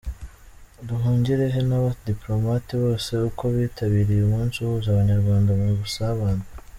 Nduhungirehe n’abadiplomate bose uko bitabiriye umunsi uhuza Abanyarwanda mu busabane.